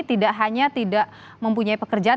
tidak hanya tidak mempunyai pekerjaan